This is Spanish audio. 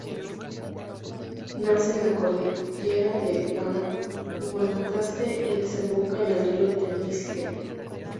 Nace en la Cordillera de Guanacaste y desemboca en el Río Tempisque.